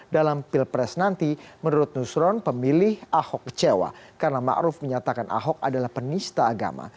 dalam pilpres nanti menurut nusron pemilih ahok kecewa karena ⁇ maruf ⁇ menyatakan ahok adalah penista agama